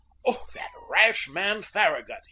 "Oh, that rash man Farragut!"